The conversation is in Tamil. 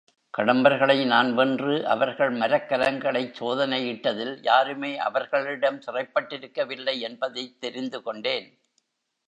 கடம்பர்களை நான் வென்று அவர்கள் மரக்கலங்களைச் சோதனையிட்டதில் யாருமே அவர்களிடம் சிறைப்பட்டிருக்கவில்லை என்பதைத் தெரிந்து கொண்டேன்.